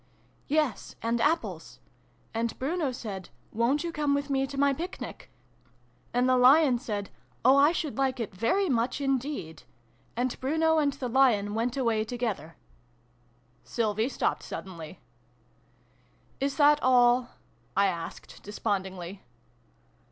" Yes, 'and apples.' And Bruno said 'Won't you come with me to my Picnic ?' And the Lion said ' Oh, I should like it very much in deed /' And Bruno and the Lion went away together." Sylvie stopped suddenly. " Is that all?" I asked, despondingly.